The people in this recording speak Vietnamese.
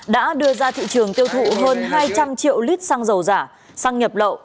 đã đưa ra thị trường tiêu thụ hơn hai trăm linh triệu lít xăng dầu giả xăng nhập lậu